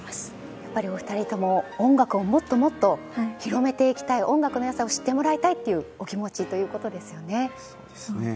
やっぱりお二人とも音楽をもっともっと広めていきたい音楽の良さを知ってもらいたいというお気持ちということですよね。